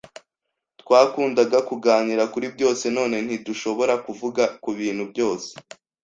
Twakundaga kuganira kuri byose none ntidushobora kuvuga kubintu byose.